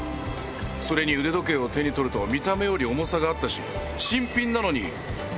それに腕時計を手に取ると見た目より重さがあったし。